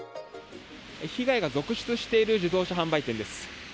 被害が続出している自動車販売店です。